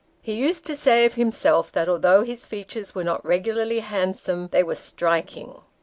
He used to say of himself that although his features were not regularly handsome, they were striking.